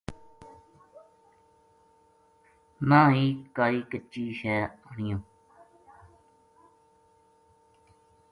نہ ہی کائے کچی چیز آنیوں